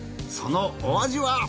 そのお味は？